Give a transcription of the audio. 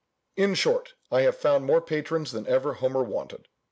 In short, I have found more patrons than ever Homer wanted.